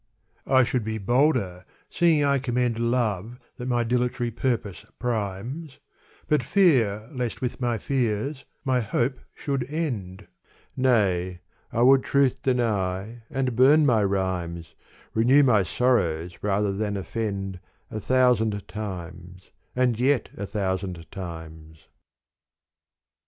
I should be bolder, seeing I commend Love that my dilatory purpose primes, But fear lest with my fears my hope should end. Nay I would truth deny and bum my rhymes, Renew my sorrows rather than offend, A thousand times and yet a thousand times.